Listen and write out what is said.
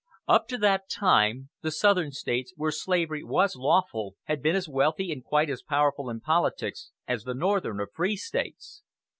Up to that time the Southern States, where slavery was lawful, had been as wealthy and quite as powerful in politics as the Northern or free States.